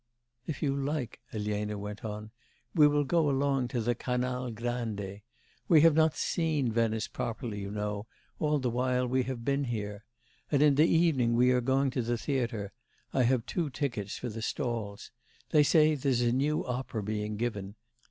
'If you like,' Elena went on, 'we will go along to the Canal Grande. We have not seen Venice properly, you know, all the while we have been here. And in the evening we are going to the theatre; I have two tickets for the stalls. They say there's a new opera being given.